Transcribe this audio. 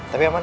tapi aman kan